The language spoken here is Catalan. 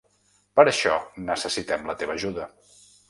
Per això necessitem la teva ajuda.